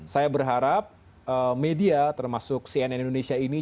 saya berharap media termasuk cnn indonesia ini